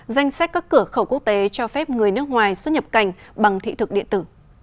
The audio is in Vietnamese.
danh sách các cửa khẩu quốc tế cho phép người nước ngoài xuất nhập cảnh bằng thị thực điện tử